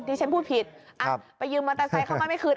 ที่ฉันพูดผิดไปยืมมอเตอร์ไซค์เข้ามาไม่คืน